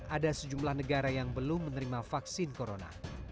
ada sejumlah negara yang belum menerima vaksin corona